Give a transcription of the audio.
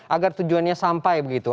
agar tujuannya sampai begitu